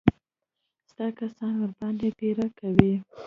ستا کسان ورباندې پيره کوي.